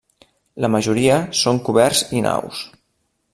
La majoria són coberts i naus.